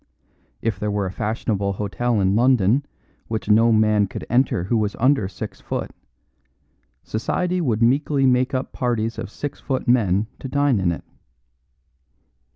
If there were a fashionable hotel in London which no man could enter who was under six foot, society would meekly make up parties of six foot men to dine in it.